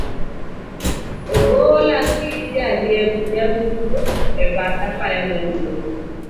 obola gi jariemb nyamburko, e bath apaya maduong